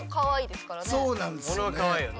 そうなんですよね。